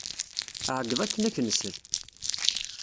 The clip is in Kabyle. Ɛeyyeḍ akken ad ak-nsel!